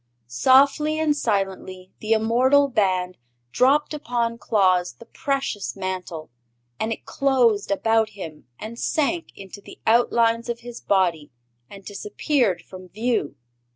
Softly and silently the immortal Band dropped upon Claus the precious Mantle, and it closed about him and sank into the outlines of his body and disappeared from view.